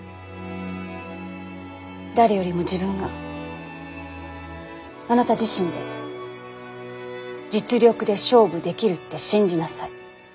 誰よりも自分があなた自身で実力で勝負できるって信じなさい。